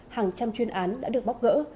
hàng trăm chuyên án đã được bóc gỡ